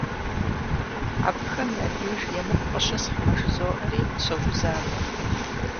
Абыхэм я деж емыкӀу къыщысхьмэ жызоӀэри согузавэ.